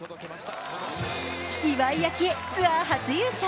岩井明愛、ツアー初優勝。